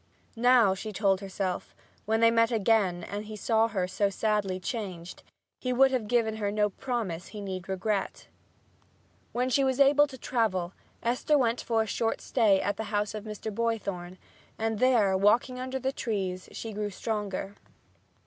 Now, she told herself, when they met again and he saw her so sadly changed he would have given her no promise he need regret. When she was able to travel, Esther went for a short stay at the house of Mr. Boythorn, and there, walking under the trees she grew stronger.